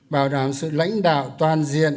bảo đảm sự lãnh đạo toàn diện